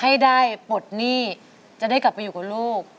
ให้ได้ปลดหนี้จะได้กลับไปอยู่กับลูก